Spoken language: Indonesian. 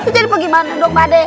jadi bagaimana dong pade